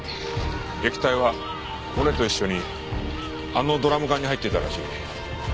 液体は骨と一緒にあのドラム缶に入っていたらしい。